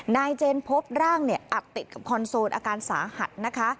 นายเจนพบร่างอัดติดกับคอนโซลอาการสาหัสนะคะ